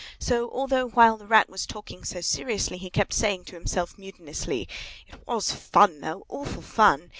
So although, while the Rat was talking so seriously, he kept saying to himself mutinously, "But it was fun, though! Awful fun!"